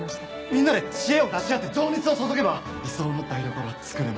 「みんなで知恵を出し合って情熱を注げば理想の台所は作れます」